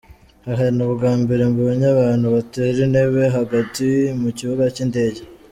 hhhh ni ubwa mbere mbonye abantu batera intebe hagati mu kibuga cy’indege!.